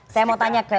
saya mau tanya ke